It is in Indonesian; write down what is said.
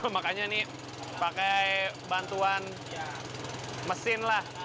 makanya ini pakai bantuan mesin lah